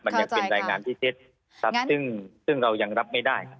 มันยังเป็นรายงานที่เจ็ดซับซึ่งซึ่งเรายังรับไม่ได้